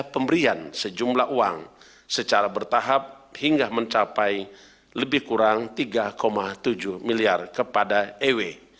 pemberian sejumlah uang secara bertahap hingga mencapai lebih kurang tiga tujuh miliar kepada ew